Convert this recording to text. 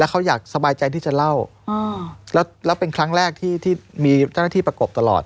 เขาอยากสบายใจที่จะเล่าแล้วเป็นครั้งแรกที่ที่มีเจ้าหน้าที่ประกบตลอด